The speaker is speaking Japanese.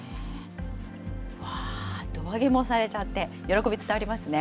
胴上げもされちゃって、喜び伝わりますね。